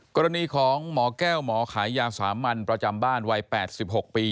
กรณีของหมอแก้วหมอขายยาสามัญประจำบ้านวัย๘๖ปี